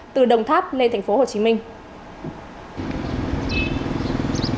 từ đồng tháp lên thành phố hồ chí minh